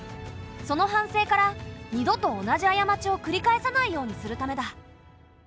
その反省から二度と同じあやまちをくり返さないようにするためだ。